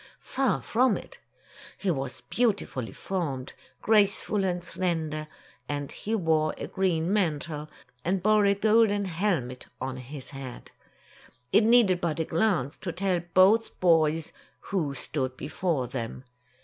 Far from it. He was beautifully formed, grace ful and slender, and he wore a green mantle, and bore a golden helmet on his head. It needed but a glance to tell both boys who stood before them.